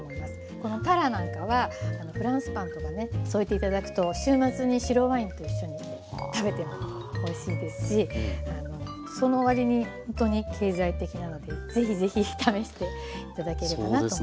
このたらなんかはフランスパンとかね添えて頂くと週末に白ワインと一緒に食べてもおいしいですしその割にほんとに経済的なので是非是非試して頂ければなと思います。